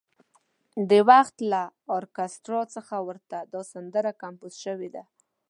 د وخت له ارکستر څخه ورته دا سندره کمپوز شوې ده.